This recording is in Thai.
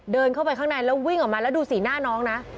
เดินเข้าไปข้างในแล้ววิ่งออกมาแล้วดูสีหน้าน้องนะ